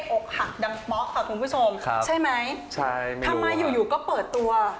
เสก์ออกหักดังมกค่ะคุณผู้ชมครับใช่ไหมใช่ไม่รู้ค่ะทำไมอยู่ก็เปิดตัว